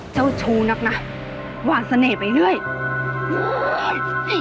เจ้าชู้นักนะวางเสน่ห์ไปเรื่อย